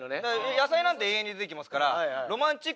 野菜なんて永遠に出てきますから。